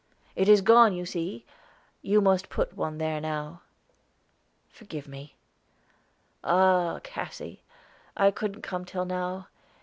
"It is gone, you see; you must put one there now." "Forgive me." "Ah, Cassy! I couldn't come till now.